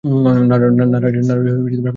না রাজ, অনেক দেরি হয়ে গেছে।